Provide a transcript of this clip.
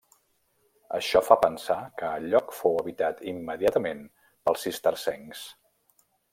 Això fa pensar que el lloc fou habitat immediatament pels cistercencs.